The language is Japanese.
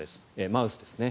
マウスですね。